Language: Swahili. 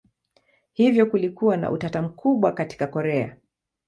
Hivyo kulikuwa na utata mkubwa katika Korea.